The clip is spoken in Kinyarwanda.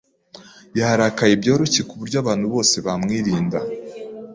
Yarakaye byoroshye kuburyo abantu bose bamwirinda.